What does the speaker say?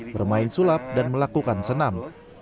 bermain sulap dan melakukan senam